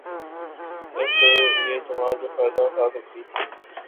اس سے یہ جماعت جو فائدہ اٹھا سکتی تھی